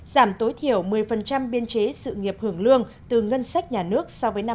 giảm tối thiểu một mươi biên chế sự nghiệp hưởng lương từ ngân sách nhà nước